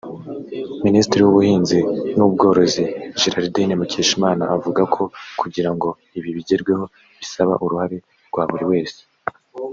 Minisitiri w’ ubuhinzi n’ ubworozi Gerardine Mukeshimana avuga ko kugira ngo ibi bigerweho bisaba uruhare rwa buri wese